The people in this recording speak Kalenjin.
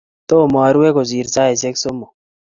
tomo arue kosir saisie somok.